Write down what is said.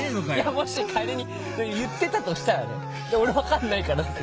もし仮に言ってたとしたらね俺分かんないからね